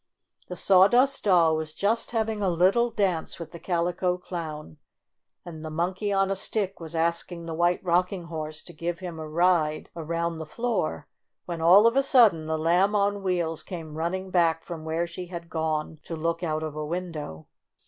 The Sawdust Doll was just having a little dance with the Calico Clown, and the Monkey on a Stick was asking the White Rocking Horse to give him a ride around the floor when, all of a sudden, the Lamb on Wheels came rolling back from where she had gone to look out of a window.